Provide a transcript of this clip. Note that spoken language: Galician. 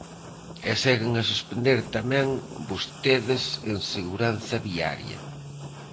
E seguen a suspender, tamén, vostedes en seguranza viaria.